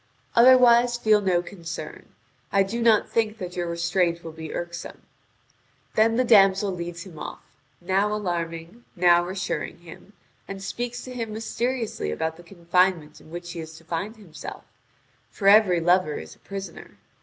Otherwise feel no concern. I do not think that your restraint will be irksome." Then the damsel leads him off, now alarming, now reassuring him, and speaking to him mysteriously about the confinement in which he is to find himself; for every lover is a prisoner.